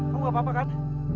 aku gak apa apa kan